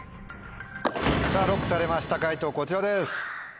さぁＬＯＣＫされました解答こちらです。